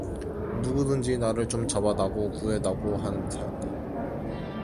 누구든지 나를 좀 잡아 다고, 구해 다고 하는 듯하였다.